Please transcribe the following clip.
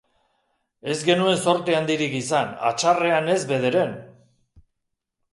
Ez genuen zorte handirik izan, hatsarrean ez bederen!